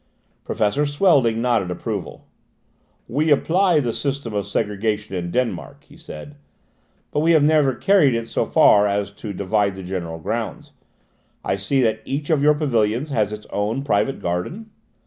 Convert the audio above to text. Professor Swelding nodded approval. "We apply the system of segregation in Denmark," he said, "but we have never carried it so far as to divide the general grounds. I see that each of your pavilions has its own private garden."